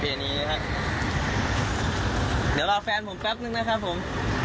เดี๋ยวรอแฟนผมแป๊บนึงนะครับผม